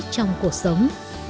trong cuộc sống